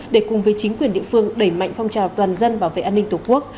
để cùng với chính quyền địa phương đẩy mạnh phong trào toàn dân bảo vệ an ninh tổ quốc